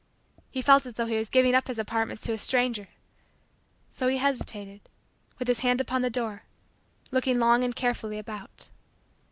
He felt as though he was giving up his apartments to a stranger. So he hesitated, with his hand upon the door, looking long and carefully about.